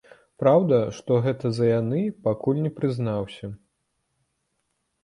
Праўда, што гэта за яны, пакуль не прызнаўся.